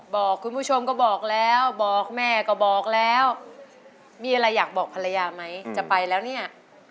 คุณผู้ชมก็บอกแล้วบอกแม่ก็บอกแล้วมีอะไรอยากบอกภรรยาไหมจะไปแล้วเนี่ย